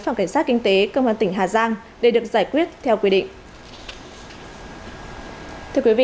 phòng cảnh sát kinh tế công an tỉnh hà giang để được giải quyết theo quy định